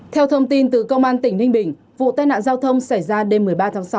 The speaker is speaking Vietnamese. theo thông tin từ công an tỉnh ninh bình vụ tai nạn giao thông xảy ra đêm một mươi ba tháng sáu